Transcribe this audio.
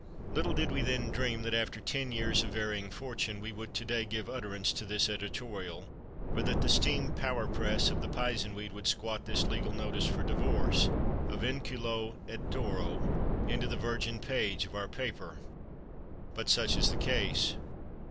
"Little did we then dream that after ten years of varying fortune we would to day give utterance to this editorial, or that the steam power press of the Pizenweed would squat this legal notice for divorce, a vinculo et thoro, into the virgin page of our paper. But such is the case.